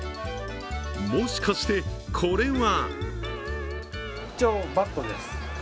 もしかして、これは？